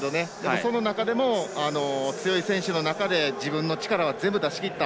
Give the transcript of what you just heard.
その中でも強い選手の中で自分の力は全部出しきった。